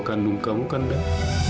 kandung kamu kan dat